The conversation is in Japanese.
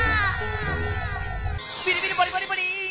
ビリビリバリバリバリッ！